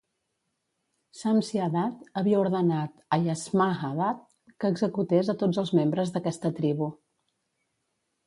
Shamshi-Adad havia ordenat a Yasmah-Adad que executés a tots els membres d'aquesta tribu.